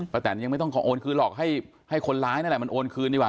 แตนยังไม่ต้องขอโอนคืนหรอกให้คนร้ายนั่นแหละมันโอนคืนดีกว่า